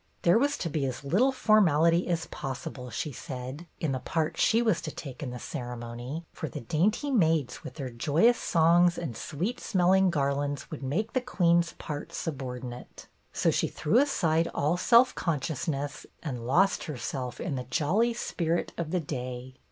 There was to be as little formality as possible, she said, in the part she was to take in the ceremony, for the dainty maids with their joyous songs and sweet smelling garlands would make the queen's part subordinate. So she threw aside all self consciousness and lost herself in the jolly spirit of the day.